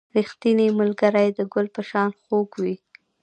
• ریښتینی ملګری د ګل په شان خوږ وي.